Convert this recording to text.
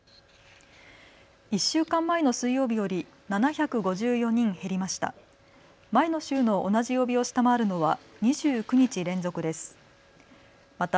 １週間前の水曜日より７５４人減りました。